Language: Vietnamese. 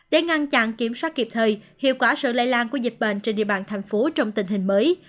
để ngăn chặn kiểm soát kịp thời hiệu quả sự lây lan của dịch bệnh trên địa bàn thành phố trong tình hình mới